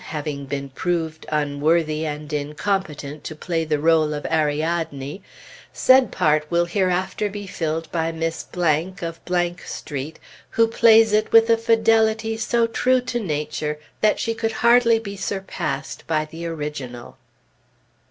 having been proved unworthy and incompetent to play the rôle of Ariadne, said part will hereafter be filled by Miss Blank, of Blank Street, who plays it with a fidelity so true to nature that she could hardly be surpassed by the original."